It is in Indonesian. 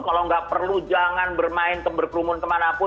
kalau nggak perlu jangan bermain berkerumun kemana pun